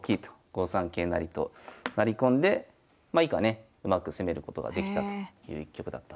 ５三桂成と成り込んでまあ以下ねうまく攻めることができたという一局だったんです。